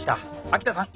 秋田さん